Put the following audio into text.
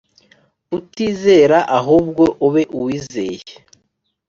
utizera ahubwo ube uwizeye